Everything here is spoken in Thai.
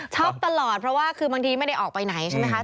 ตลอดเพราะว่าคือบางทีไม่ได้ออกไปไหนใช่ไหมคะ